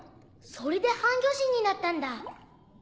それで半魚人になったんだ。